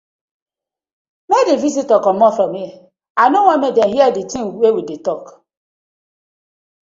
Mak di visitors comot from here I no wan mek dem hear di tinz wey we dey tok.